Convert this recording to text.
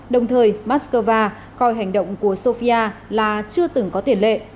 đồng thời moscow coi hành động của sofia là chưa từng có tiền lệ